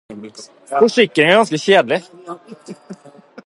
Forsikring er ganske kjedelig.